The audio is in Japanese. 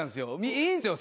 いいんすよ